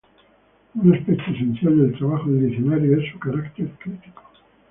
Un aspecto esencial del trabajo del diccionario es su carácter crítico.